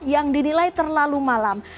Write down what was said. yang dinilai terlalu malam